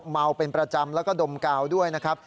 เมาเป็นประจำแล้วก็ดมกาวด้วยนะครับ